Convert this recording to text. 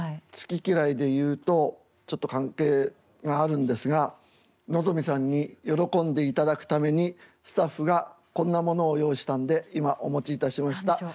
好き嫌いで言うとちょっと関係があるんですが望海さんに喜んでいただくためにスタッフがこんなものを用意したんで今お持ちいたしました。